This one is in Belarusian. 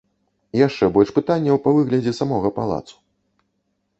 Яшчэ больш пытанняў па выглядзе самога палацу.